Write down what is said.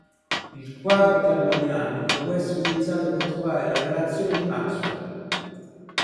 Il quadrato termodinamico può essere utilizzato per trovare le relazioni di Maxwell.